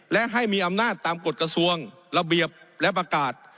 และให้มีอำนาจตามกฎกระทรวงระเบียบและประกาศ